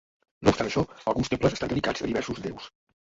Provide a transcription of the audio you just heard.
No obstant això, alguns temples estan dedicats a diversos déus.